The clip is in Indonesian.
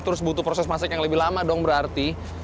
terus butuh proses masak yang lebih lama dong berarti